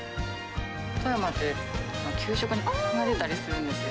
富山って、給食に×××が出たりするんですよ。